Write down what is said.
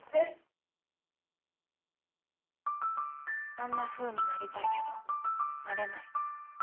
あんなふうになりたいけどなれない